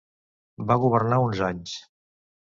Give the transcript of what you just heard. Va governar uns anys.